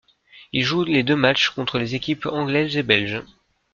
Il joue les deux matchs contre les équipes anglaise et belge.